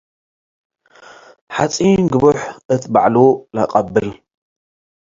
. ሐጺን ግቡሕ እት በዐሉ ለአቀብል፣